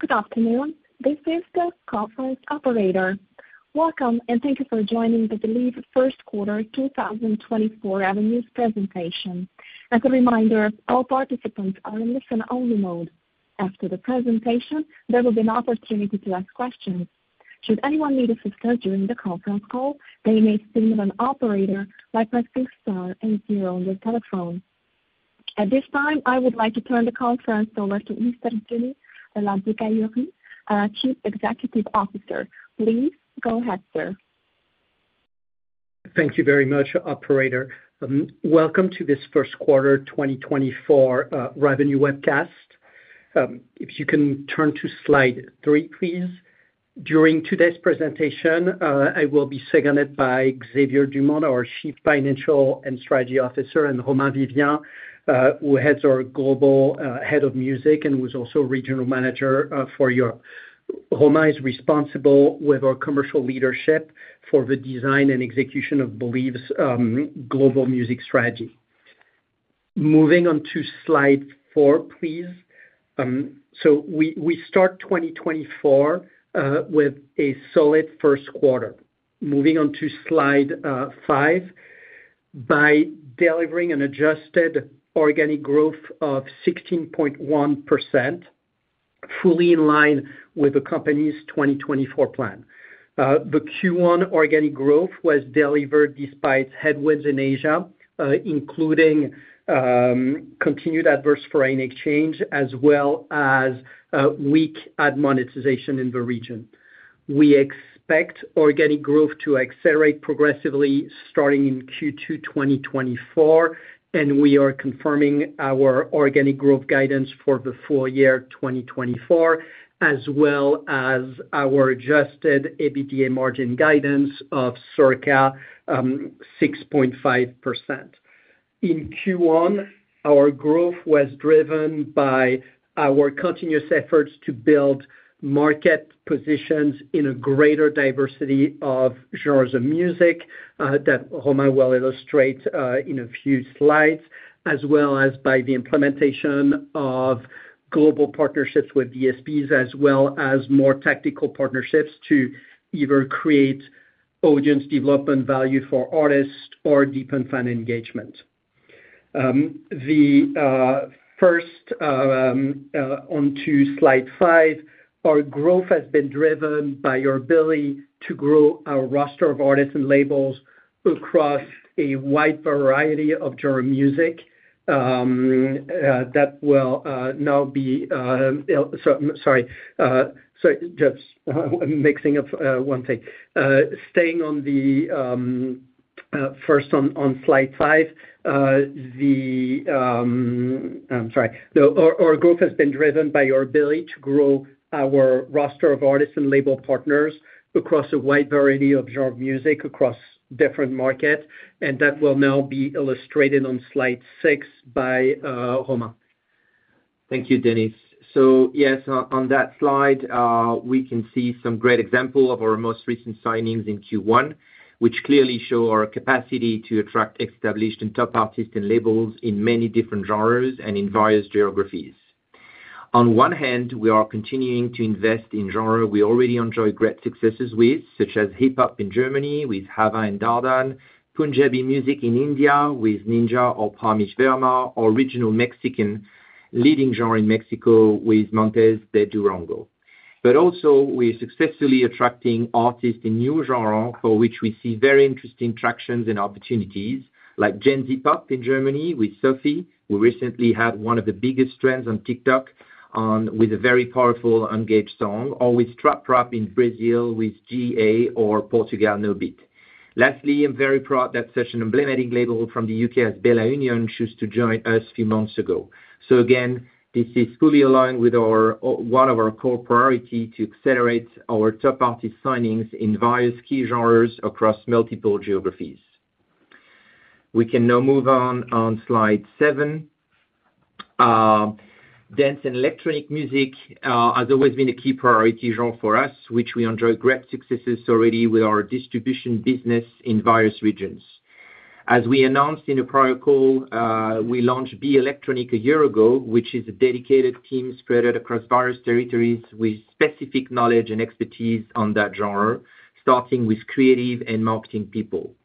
Good afternoon. This is the conference operator. Welcome, and thank you for joining the Believe First Quarter 2024 Earnings Presentation. As a reminder, all participants are in listen-only mode. After the presentation, there will be an opportunity to ask questions. Should anyone need assistance during the conference call, they may signal an operator by pressing star and zero on their telephone. At this time, I would like to turn the conference over to Mr. Denis Ladegaillerie, our Chief Executive Officer. Please go ahead, sir. Thank you very much, operator. Welcome to this First Quarter 2024 Revenue Webcast. If you can turn to slide three, please. During today's presentation, I will be seconded by Xavier Dumont, our Chief Financial and Strategy Officer, and Romain Vivien, who heads our Global Head of Music and who's also Regional Manager for Europe. Romain is responsible with our commercial leadership for the design and execution of Believe's global music strategy. Moving on to slide four, please. So we start 2024 with a solid first quarter. Moving on to slide five. By delivering an adjusted organic growth of 16.1%, fully in line with the company's 2024 plan. The Q1 organic growth was delivered despite headwinds in Asia, including continued adverse foreign exchange, as well as weak ad monetization in the region. We expect organic growth to accelerate progressively starting in Q2 2024, and we are confirming our organic growth guidance for the full year 2024, as well as our adjusted EBITDA margin guidance of circa 6.5%. In Q1, our growth was driven by our continuous efforts to build market positions in a greater diversity of genres of music, that Romain will illustrate in a few slides, as well as by the implementation of global partnerships with DSPs, as well as more tactical partnerships to either create audience development value for artists or deepen fan engagement. First, on to slide five, our growth has been driven by our ability to grow our roster of artists and labels across a wide variety of genre music, that will now be... So, sorry, so just mixing up one thing. Staying on the first on slide five, the, I'm sorry. Our growth has been driven by our ability to grow our roster of artists and label partners across a wide variety of genre of music, across different markets, and that will now be illustrated on slide six by Romain. Thank you, Denis. So yes, on that slide, we can see some great example of our most recent signings in Q1, which clearly show our capacity to attract established and top artists and labels in many different genres and in various geographies. On one hand, we are continuing to invest in genre we already enjoy great successes with, such as hip-hop in Germany with Hava and Dardan, Punjabi music in India with Ninja or Parmish Verma, or Regional Mexican leading genre in Mexico with Montez de Durango. But also, we're successfully attracting artists in new genre, for which we see very interesting tractions and opportunities, like Gen Z pop in Germany with Soffie, who recently had one of the biggest trends on TikTok, with a very powerful engaged song, or with trap rap in Brazil, with G.A or Portugal No Beat. Lastly, I'm very proud that such an emblematic label from the U.K. as Bella Union chose to join us a few months ago. So again, this is fully aligned with our one of our core priority to accelerate our top artist signings in various key genres across multiple geographies. We can now move on, on slide seven. Dance and electronic music has always been a key priority genre for us, which we enjoy great successes already with our distribution business in various regions. As we announced in a prior call, we launched b:electronic a year ago, which is a dedicated team spread across various territories with specific knowledge and expertise on that genre, starting with creative and marketing people.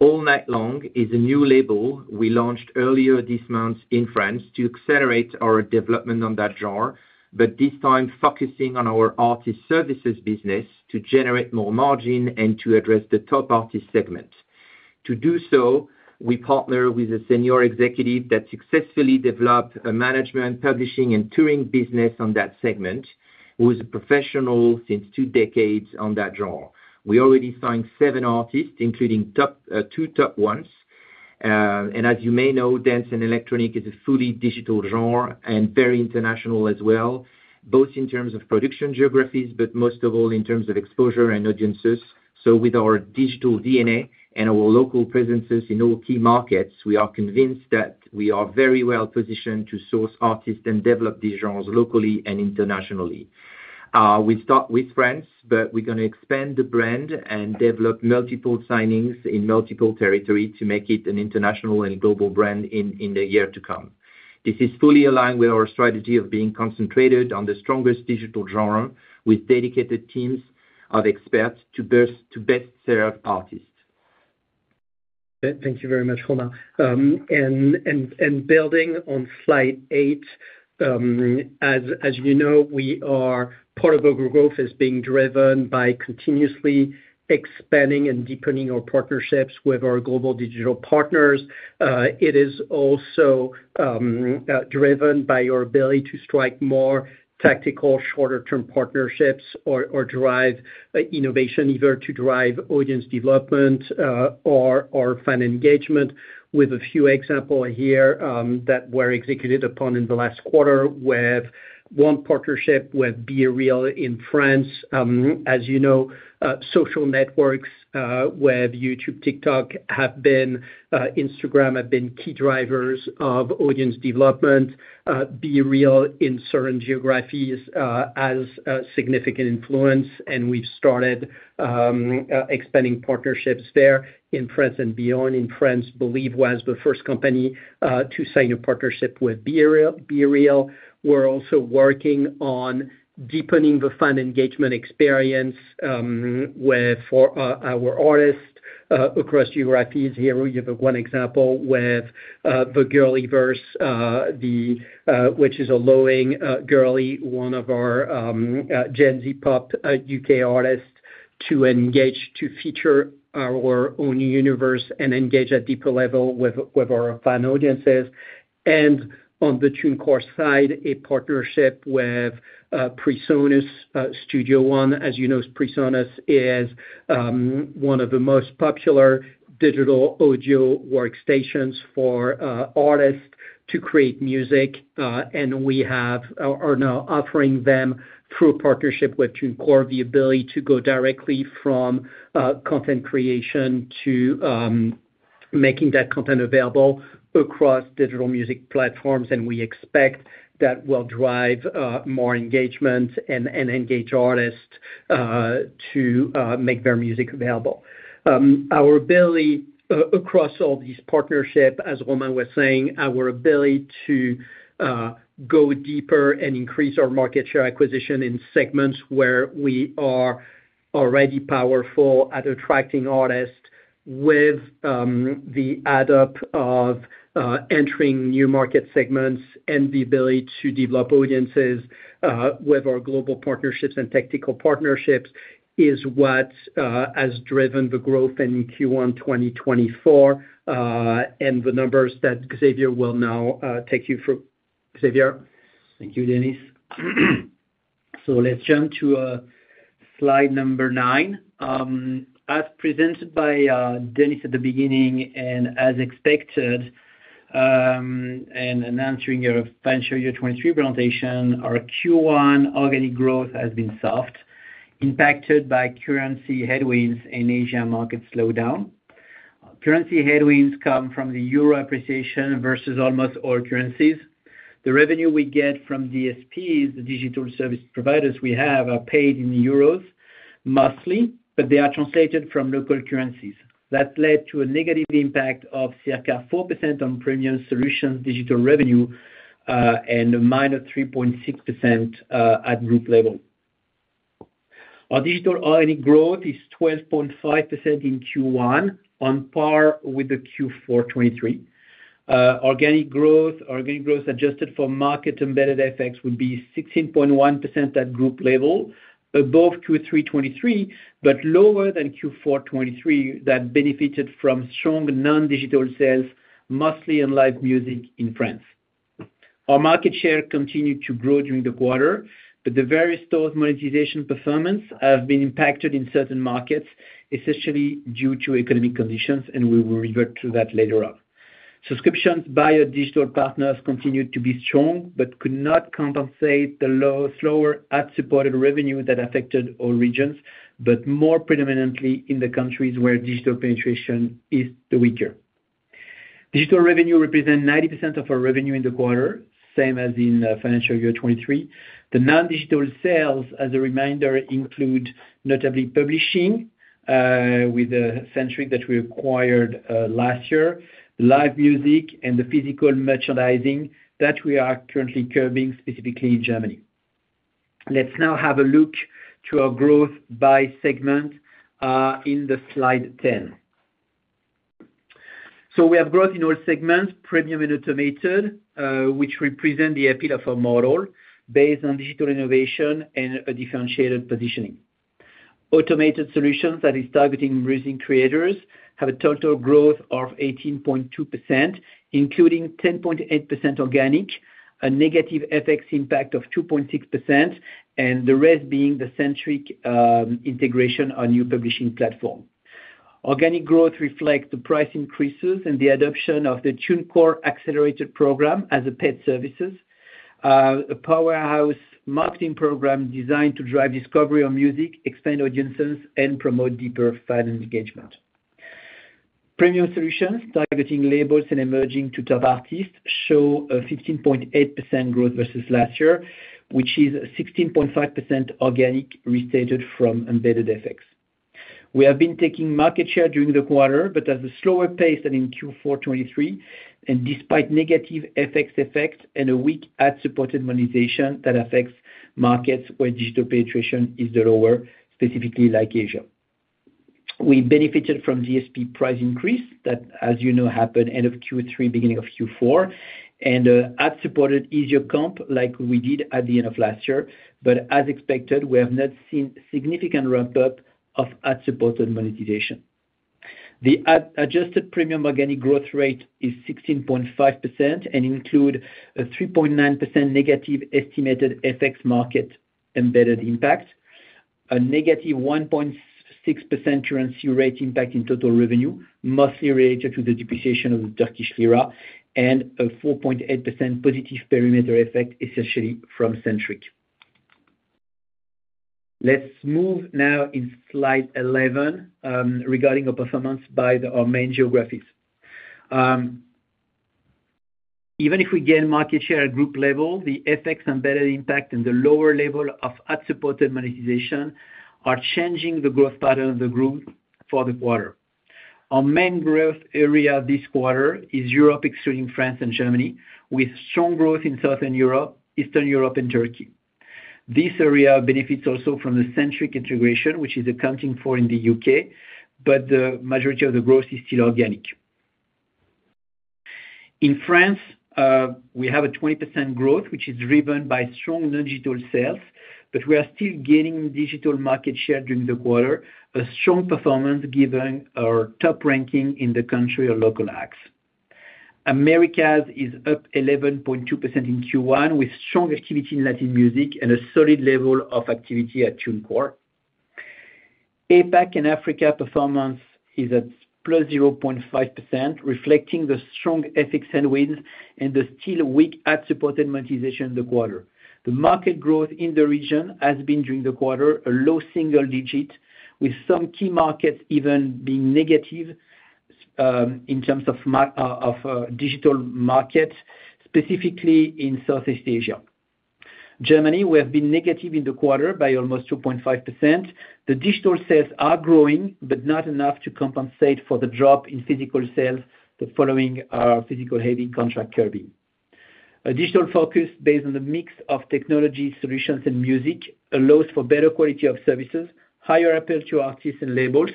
All Night Long is a new label we launched earlier this month in France to accelerate our development on that genre, but this time focusing on our artist services business to generate more margin and to address the top artist segment. To do so, we partner with a senior executive that successfully developed a management, publishing, and touring business on that segment, who is a professional since two decades on that genre. We already signed seven artists, including top, two top ones. And as you may know, dance and electronic is a fully digital genre and very international as well, both in terms of production geographies, but most of all in terms of exposure and audiences. So with our digital DNA and our local presences in all key markets, we are convinced that we are very well positioned to source artists and develop these genres locally and internationally. ... We start with France, but we're gonna expand the brand and develop multiple signings in multiple territory to make it an international and global brand in the year to come. This is fully aligned with our strategy of being concentrated on the strongest digital genre, with dedicated teams of experts to best serve artists. Thank you very much, Romain. Building on slide eight, as you know, we are part of our growth is being driven by continuously expanding and deepening our partnerships with our global digital partners. It is also driven by our ability to strike more tactical, shorter-term partnerships or drive innovation, either to drive audience development or fan engagement, with a few example here that were executed upon in the last quarter with one partnership with BeReal in France. As you know, social networks with YouTube, TikTok, Instagram have been key drivers of audience development. BeReal in certain geographies as a significant influence, and we've started expanding partnerships there in France and beyond. In France, Believe was the first company to sign a partnership with BeReal. We're also working on deepening the fan engagement experience, with our artists across geographies. Here, we give one example with the GIRLIverse, which is allowing GIRLI, one of our Gen Z pop U.K. artists, to engage, to feature our own universe and engage at deeper level with our fan audiences. And on the TuneCore side, a partnership with PreSonus Studio One. As you know, PreSonus is one of the most popular digital audio workstations for artists to create music, and we are now offering them, through a partnership with TuneCore, the ability to go directly from content creation to making that content available across digital music platforms, and we expect that will drive more engagement and engage artists to make their music available. Our ability across all these partnerships, as Romain was saying, our ability to go deeper and increase our market share acquisition in segments where we are already powerful at attracting artists with the add up of entering new market segments and the ability to develop audiences with our global partnerships and technical partnerships, is what has driven the growth in Q1 2024 and the numbers that Xavier will now take you through. Xavier? Thank you, Denis. So let's jump to slide number nine. As presented by Denis at the beginning, and as expected, and announcing your financial year 2023 presentation, our Q1 organic growth has been soft, impacted by currency headwinds and Asia market slowdown. Currency headwinds come from the Euro appreciation versus almost all currencies. The revenue we get from DSPs, the digital service providers we have, are paid in euros mostly, but they are translated from local currencies. That led to a negative impact of circa 4% on premium solutions digital revenue, and a minus 3.6%, at group level. Our digital organic growth is 12.5% in Q1, on par with the Q4 2023. Organic growth, organic growth adjusted for market embedded effects would be 16.1% at group level, above Q3 2023, but lower than Q4 2023, that benefited from strong non-digital sales, mostly in live music in France. Our market share continued to grow during the quarter, but the various stores' monetization performance have been impacted in certain markets, especially due to economic conditions, and we will revert to that later on. Subscriptions by our digital partners continued to be strong, but could not compensate the slower ad-supported revenue that affected all regions, but more predominantly in the countries where digital penetration is the weaker. Digital revenue represent 90% of our revenue in the quarter, same as in, financial year 2023. The non-digital sales, as a reminder, include notably publishing, with the Sentric that we acquired last year, live music, and the physical merchandising that we are currently curbing, specifically in Germany. Let's now have a look to our growth by segment, in slide 10. So we have growth in all segments, Premium and Automated, which represent the appeal of our model based on digital innovation and a differentiated positioning. Automated solutions that is targeting music creators, have a total growth of 18.2%, including 10.8% organic, a negative FX impact of 2.6%, and the rest being the Sentric integration on new publishing platform. Organic growth reflect the price increases and the adoption of the TuneCore Accelerator program as a paid services, a powerhouse marketing program designed to drive discovery of music, expand audiences, and promote deeper fan engagement. Premium solutions targeting labels and emerging to top artists show a 16.8% growth versus last year, which is 16.5% organic, restated from embedded effects. We have been taking market share during the quarter, but at a slower pace than in Q4 2023, and despite negative FX effects and a weak ad-supported monetization that affects markets where digital penetration is lower, specifically like Asia. We benefited from DSP price increase that, as you know, happened end of Q3, beginning of Q4, and ad-supported easier comp like we did at the end of last year. But as expected, we have not seen significant ramp-up of ad-supported monetization. The ad-adjusted premium organic growth rate is 16.5% and includes a 3.9% negative estimated FX market embedded impact, a negative 1.6% currency rate impact in total revenue, mostly related to the depreciation of the Turkish lira, and a 4.8% positive perimeter effect, essentially from Sentric. Let's move now to slide 11, regarding our performance by our main geographies. Even if we gain market share at group level, the effects and better impact and the lower level of ad-supported monetization are changing the growth pattern of the group for the quarter. Our main growth area this quarter is Europe, excluding France and Germany, with strong growth in Southern Europe, Eastern Europe and Turkey. This area benefits also from the Sentric integration, which is accounting for in the U.K., but the majority of the growth is still organic. In France, we have a 20% growth, which is driven by strong non-digital sales, but we are still gaining digital market share during the quarter, a strong performance given our top ranking in the country of local acts. Americas is up 11.2% in Q1, with strong activity in Latin music and a solid level of activity at TuneCore. APAC and Africa performance is at +0.5%, reflecting the strong FX headwinds and the still weak ad-supported monetization in the quarter. The market growth in the region has been, during the quarter, a low single digit, with some key markets even being negative, in terms of digital markets, specifically in Southeast Asia. Germany, we have been negative in the quarter by almost 2.5%. The digital sales are growing, but not enough to compensate for the drop in physical sales, the following physical heavy contract curbing. A digital focus based on the mix of technology solutions and music allows for better quality of services, higher appeal to artists and labels,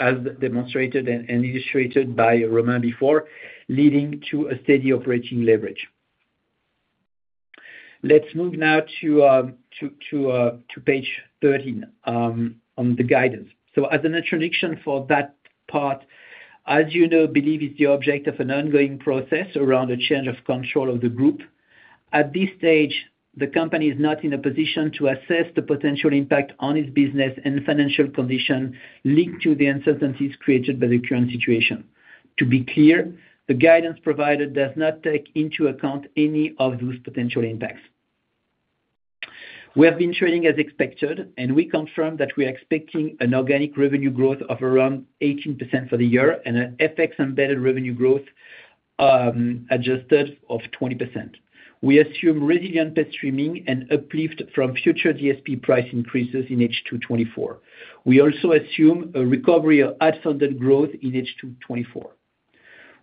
as demonstrated and illustrated by Romain before, leading to a steady operating leverage. Let's move now to page 13, on the guidance. So as an introduction for that part, as you know, Believe is the object of an ongoing process around the change of control of the group. At this stage, the company is not in a position to assess the potential impact on its business and financial condition linked to the uncertainties created by the current situation. To be clear, the guidance provided does not take into account any of those potential impacts. We have been trading as expected, and we confirm that we are expecting an organic revenue growth of around 18% for the year and an FX embedded revenue growth, adjusted of 20%. We assume resilient paid streaming and uplift from future DSP price increases in H2 2024. We also assume a recovery of ad-funded growth in H2 2024.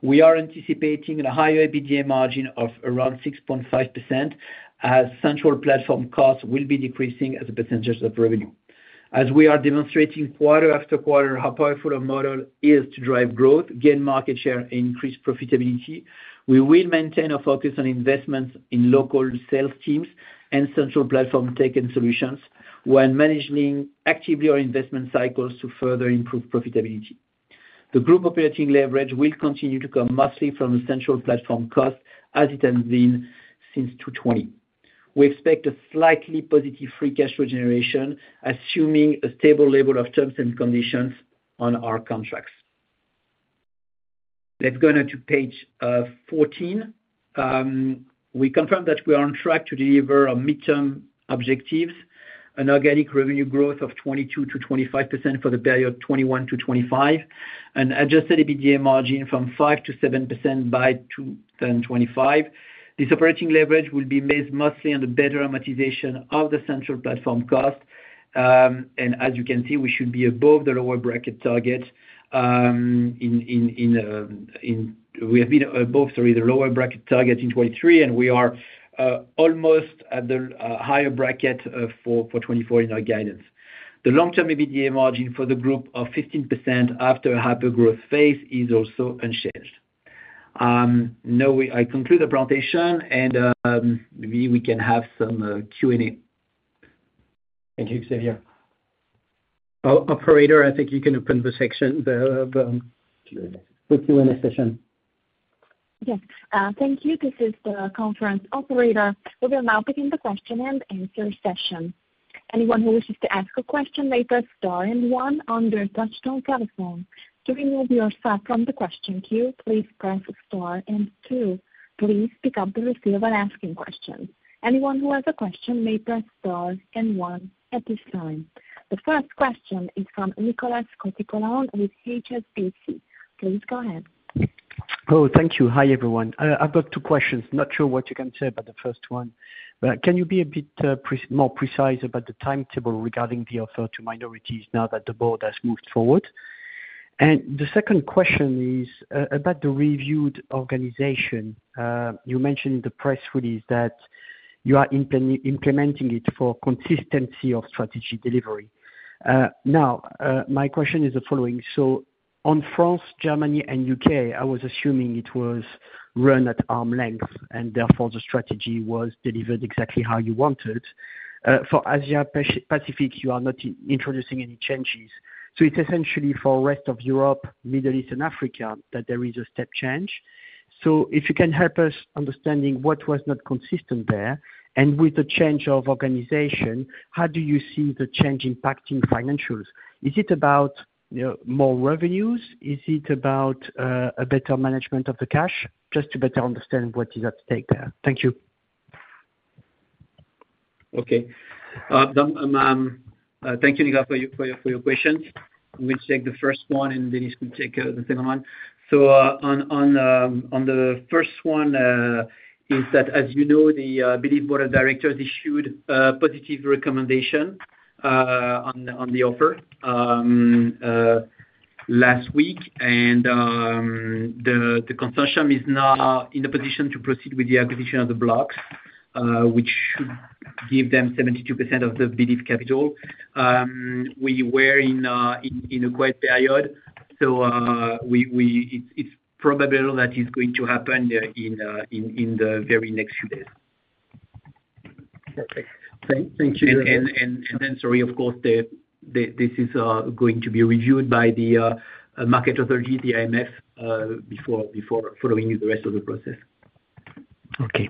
We are anticipating a higher EBITDA margin of around 6.5%, as central platform costs will be decreasing as a percentage of revenue. As we are demonstrating quarter after quarter, how powerful our model is to drive growth, gain market share, and increase profitability, we will maintain a focus on investments in local sales teams and central platform tech and solutions, while managing actively our investment cycles to further improve profitability. The group operating leverage will continue to come mostly from the central platform cost, as it has been since 2020. We expect a slightly positive free cash flow generation, assuming a stable level of terms and conditions on our contracts. Let's go now to page 14. We confirm that we are on track to deliver our midterm objectives, an organic revenue growth of 22%-25% for the period 2021-2025, an adjusted EBITDA margin from 5%-7% by 2025. This operating leverage will be based mostly on the better monetization of the central platform cost. And as you can see, we should be above the lower bracket target. We have been above, sorry, the lower bracket target in 2023, and we are almost at the higher bracket for 2024 in our guidance. The long-term EBITDA margin for the group of 15% after a hyper growth phase is also unchanged. Now I conclude the presentation, and maybe we can have some Q&A. Thank you, Xavier. Oh, operator, I think you can open the section, the Q&A session. Yes, thank you. This is the conference operator. We are now beginning the question-and-answer session. Anyone who wishes to ask a question may press star and one on their touchtone telephone. To remove yourself from the question queue, please press star and two. Please pick up the receiver when asking questions. Anyone who has a question may press star and one at this time. The first question is from Nikolas Sokratous with HSBC. Please go ahead.... Oh, thank you. Hi, everyone. I've got two questions, not sure what you can say about the first one. Can you be a bit more precise about the timetable regarding the offer to minorities now that the board has moved forward? And the second question is about the reviewed organization. You mentioned in the press release that you are implementing it for consistency of strategy delivery. Now, my question is the following: so on France, Germany, and U.K., I was assuming it was run at arm's length, and therefore the strategy was delivered exactly how you wanted. For Asia Pacific, you are not introducing any changes. So it's essentially for rest of Europe, Middle East, and Africa, that there is a step change. If you can help us understanding what was not consistent there, and with the change of organization, how do you see the change impacting financials? Is it about, you know, more revenues? Is it about, a better management of the cash? Just to better understand what is at stake there. Thank you. Okay. Thank you, Nicolas, for your questions. We'll take the first one, and then Denis can take the second one. So, on the first one, is that, as you know, the Believe board of directors issued a positive recommendation on the offer last week. And, the consortium is now in a position to proceed with the acquisition of the blocks, which should give them 72% of the Believe capital. We were in a quiet period, so, it's probable that is going to happen in the very next few days. Perfect. Thank you very much- Then, sorry, of course, this is going to be reviewed by the market authority, the AMF, before following the rest of the process. Okay.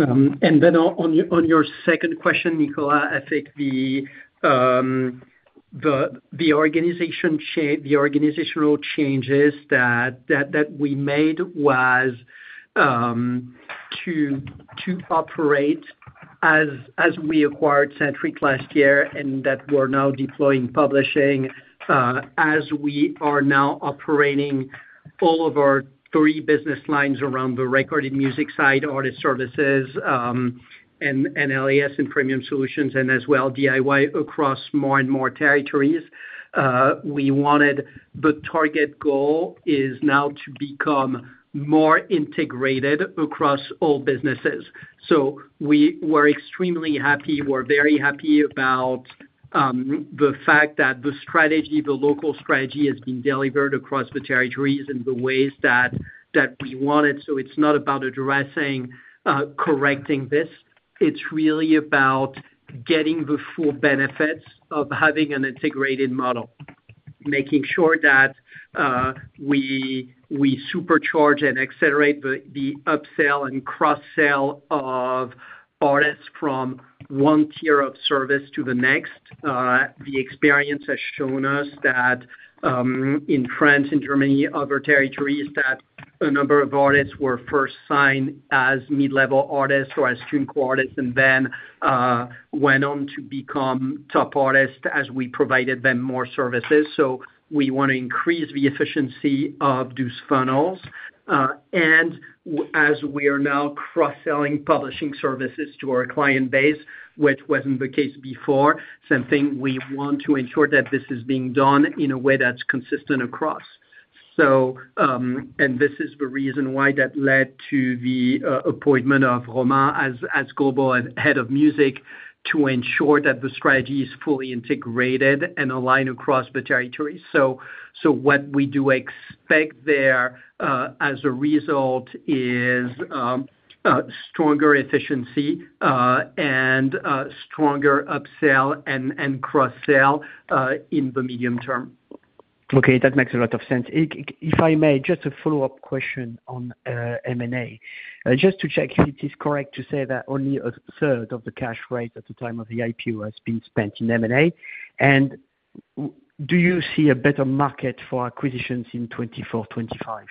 And then on your second question, Nicolas, I think the organizational changes that we made was to operate as we acquired Sentric last year, and that we're now deploying publishing, as we are now operating all of our three business lines around the recorded music side, artist services, and L&S and premium solutions, and as well, DIY across more and more territories. The target goal is now to become more integrated across all businesses. So we were extremely happy. We're very happy about the fact that the strategy, the local strategy, is being delivered across the territories in the ways that we wanted. So it's not about addressing, correcting this. It's really about getting the full benefits of having an integrated model. Making sure that we supercharge and accelerate the upsell and cross-sell of artists from one tier of service to the next. The experience has shown us that in France and Germany, other territories, that a number of artists were first signed as mid-level artists or as TuneCore artists, and then went on to become top artists as we provided them more services. So we wanna increase the efficiency of those funnels. And as we are now cross-selling publishing services to our client base, which wasn't the case before, same thing, we want to ensure that this is being done in a way that's consistent across. So, and this is the reason why that led to the appointment of Romain as Global Head of Music, to ensure that the strategy is fully integrated and aligned across the territories. So what we do expect there, as a result is stronger efficiency, and stronger upsell and cross-sell, in the medium term. Okay, that makes a lot of sense. If I may, just a follow-up question on M&A. Just to check, it is correct to say that only a third of the cash raised at the time of the IPO has been spent in M&A? And do you see a better market for acquisitions in 2024, 2025?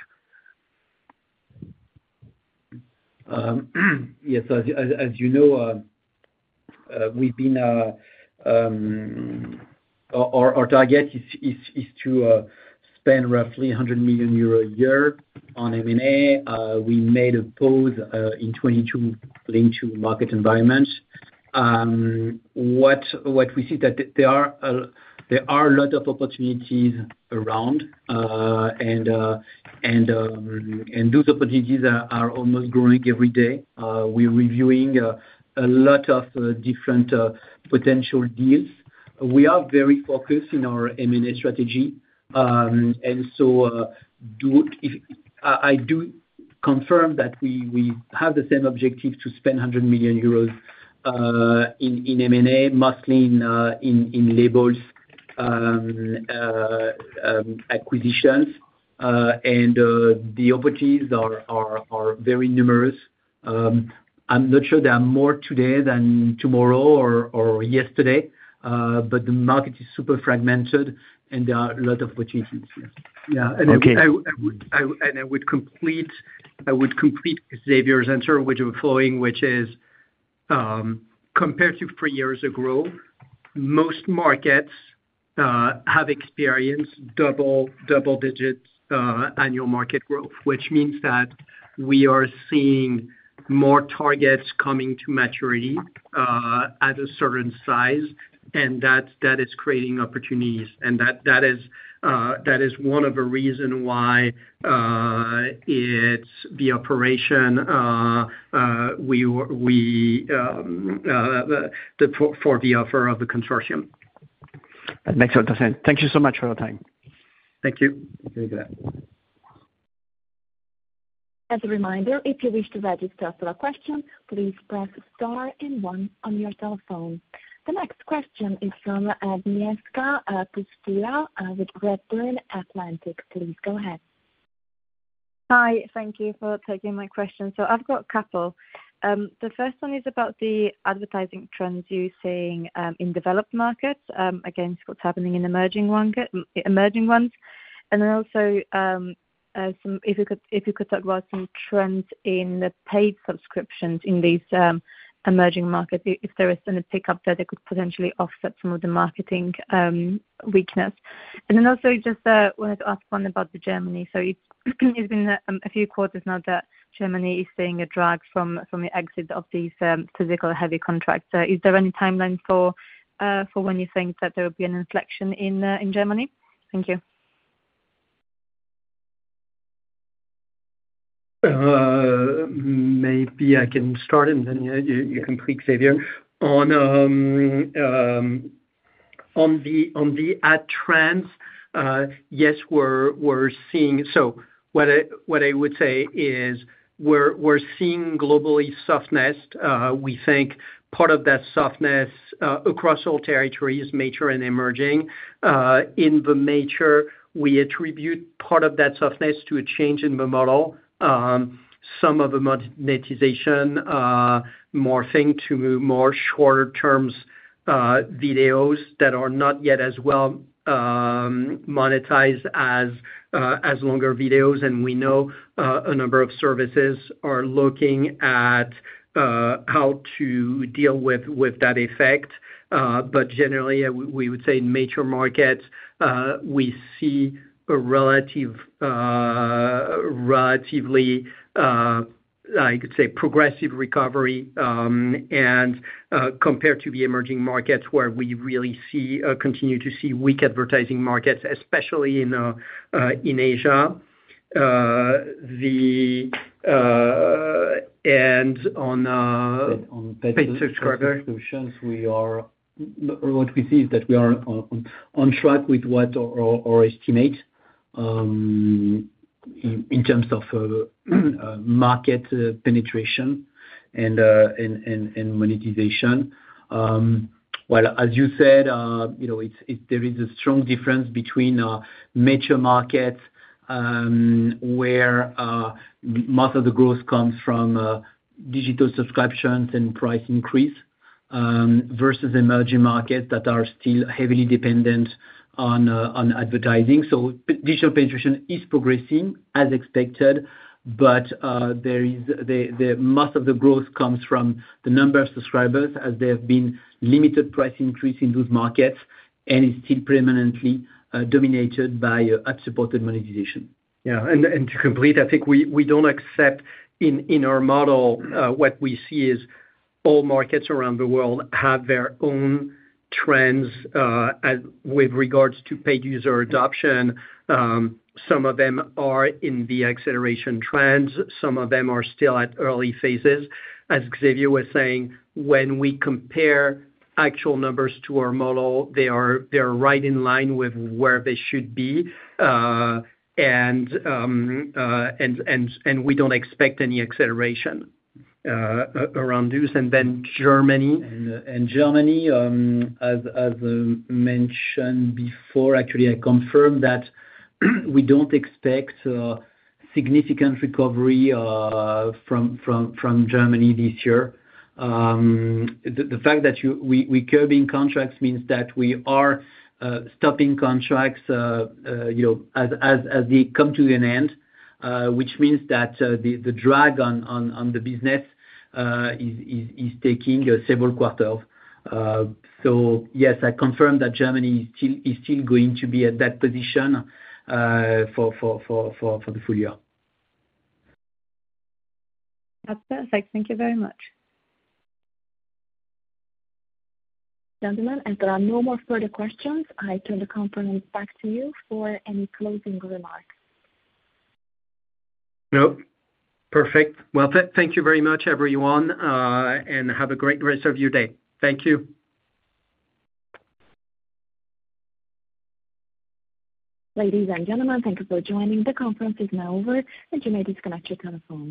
Yes, as you know, we've been... Our target is to spend roughly 100 million euro a year on M&A. We made a pause in 2022 linked to market environment. What we see that there are a lot of opportunities around, and those opportunities are almost growing every day. We're reviewing a lot of different potential deals. We are very focused in our M&A strategy, and so, if I do confirm that we have the same objective to spend 100 million euros in M&A, mostly in labels acquisitions. And the opportunities are very numerous. I'm not sure there are more today than tomorrow or yesterday, but the market is super fragmented, and there are a lot of opportunities. Yeah. Okay. And I would complete Xavier's answer, which is flowing, which is, compared to three years ago-... most markets have experienced double digits annual market growth, which means that we are seeing more targets coming to maturity at a certain size, and that is creating opportunities, and that is one of the reason why it's the operation for the offer of the consortium. That makes total sense. Thank you so much for your time. Thank you. Very good. As a reminder, if you wish to register for a question, please press star and one on your cell phone. The next question is from Agnieszka Pustula with Redburn Atlantic. Please go ahead. Hi, thank you for taking my question. So I've got a couple. The first one is about the advertising trends you're seeing in developed markets against what's happening in emerging ones. And then also, if you could talk about some trends in the paid subscriptions in these emerging markets, if there is any pickup there that could potentially offset some of the marketing weakness. And then also just wanted to ask one about Germany. So it's been a few quarters now that Germany is seeing a drag from the exit of these physical heavy contracts. Is there any timeline for when you think that there will be an inflection in Germany? Thank you. Maybe I can start and then you complete, Xavier. On the ad trends, yes, we're seeing... So what I would say is, we're seeing globally softness. We think part of that softness across all territories, mature and emerging. In the mature, we attribute part of that softness to a change in the model. Some of the monetization morphing to more shorter terms videos that are not yet as well monetized as longer videos, and we know a number of services are looking at how to deal with that effect. But generally, we would say mature markets. We see a relatively progressive recovery, and compared to the emerging markets, where we really continue to see weak advertising markets, especially in Asia. The... And on paid subscriber- Solutions, what we see is that we are on track with what our estimate in terms of market penetration and monetization. Well, as you said, you know, there is a strong difference between mature markets, where most of the growth comes from digital subscriptions and price increase versus emerging markets that are still heavily dependent on advertising. So digital penetration is progressing as expected, but there is the most of the growth comes from the number of subscribers, as there have been limited price increase in those markets, and is still preeminently dominated by ad-supported monetization. Yeah, and to complete, I think we don't accept in our model what we see as all markets around the world have their own trends as with regards to paid user adoption. Some of them are in the acceleration trends, some of them are still at early phases. As Xavier was saying, when we compare actual numbers to our model, they are right in line with where they should be. And we don't expect any acceleration around this, and then Germany? Germany, as mentioned before, actually, I confirm that we don't expect significant recovery from Germany this year. The fact that we curbing contracts means that we are stopping contracts, you know, as they come to an end, which means that the drag on the business is taking several quarters. So yes, I confirm that Germany is still going to be at that position for the full year. That's perfect. Thank you very much. Gentlemen, as there are no more further questions, I turn the conference back to you for any closing remarks. Nope. Perfect. Well, thank you very much, everyone, and have a great rest of your day. Thank you. Ladies and gentlemen, thank you for joining. The conference is now over, and you may disconnect your telephones.